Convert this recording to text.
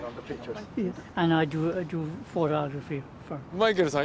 マイケルさん